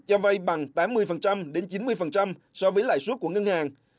cho vay bằng tám mươi đến chín mươi so với lãi suất của ngân hàng